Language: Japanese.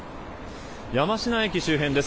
山科駅周辺です。